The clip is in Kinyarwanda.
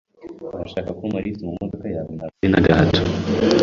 "Urashaka kumpa lift mu modoka yawe?" "Ntabwo ari na gato."